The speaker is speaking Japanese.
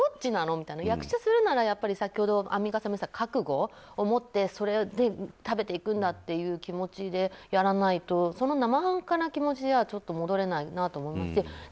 みたいな役者するなら、先ほどアンミカさんも言ってた覚悟を持ってそれで食べていくんだっていう気持ちでやらないとその生半可な気持ちではちょっと戻れないなと思います。